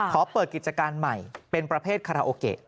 ขอเปิดกิจการใหม่เป็นประเภทคาราโอเกะ